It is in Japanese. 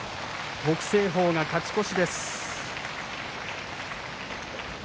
北青鵬が勝ち越しです。